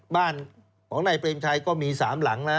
บ้านของนายเปรมชัยก็มี๓หลังนะ